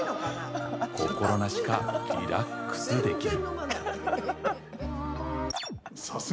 心なしかリラックスできる。